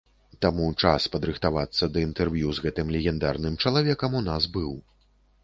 Таму час падрыхтавацца да інтэрв'ю з гэтым легендарным чалавекам у нас быў.